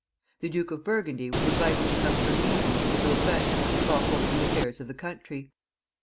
The Duke of Burgundy was invited to come to a meeting with the Dauphin to talk over the affairs of the country.